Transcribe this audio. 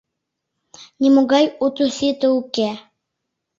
— Нимогай уто-сите уке.